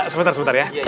sebentar sebentar ya